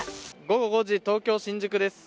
午後５時、東京・新宿です。